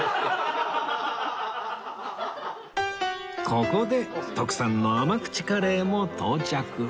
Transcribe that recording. ここで徳さんの甘口カレーも到着